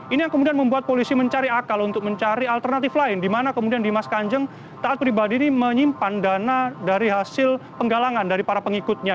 ini yang kemudian membuat polisi mencari akal untuk mencari alternatif lain di mana kemudian dimas kanjeng taat pribadi ini menyimpan dana dari hasil penggalangan dari para pengikutnya